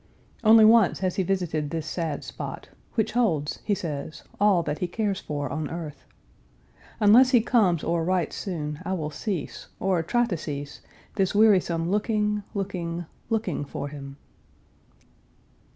Only once has he visited this sad spot, which holds, he says, all that he cares for on earth. Unless he comes or writes soon I will cease, or try to cease, this wearisome looking, looking, looking for him.